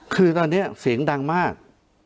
คือตอนนี้เสียงดังมาก